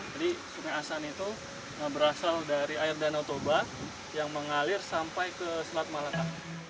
jadi sungai asahan itu berasal dari air danau toba yang mengalir sampai ke selat malaka